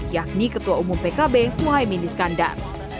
yakni ketua umum pkb muhaymin iskandar